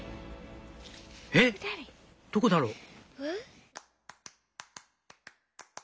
「えっどこだろう？」